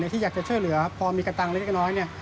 ที่อยากจะช่วยเหลือพอมีกระตังเล็กนี่